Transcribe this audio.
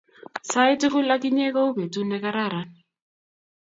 sait tugul ak inye ko u petut ne kararan